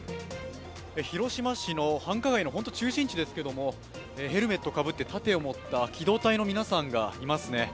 広島市の繁華街のほんと中心地ですけれども、ヘルメットをかぶって盾を持った機動隊の皆さんがいますね。